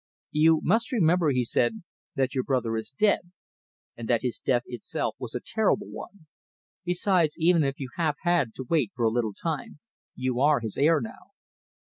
"You must remember," he said, "that your brother is dead, and that his death itself was a terrible one. Besides, even if you have had to wait for a little time, you are his heir now."